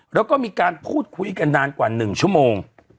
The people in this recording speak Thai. แล้วก็มีการพูดคุยกันนานกว่า๑ชั่วโมง